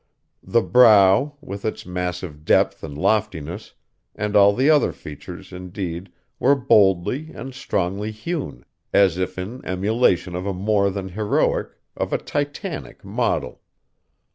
The brow, with its massive depth and loftiness, and all the other features, indeed, were boldly and strongly hewn, as if in emulation of a more than heroic, of a Titanic model.